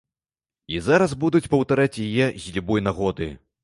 І зараз будуць паўтараць яе з любой нагоды.